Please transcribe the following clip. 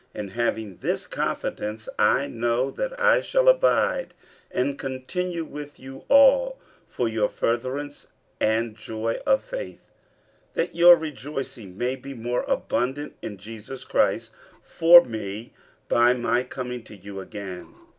50:001:025 And having this confidence, I know that I shall abide and continue with you all for your furtherance and joy of faith; 50:001:026 That your rejoicing may be more abundant in Jesus Christ for me by my coming to you again.